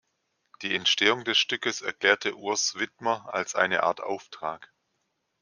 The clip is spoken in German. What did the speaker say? Die Entstehung des Stückes erklärte Urs Widmer als „eine Art Auftrag“.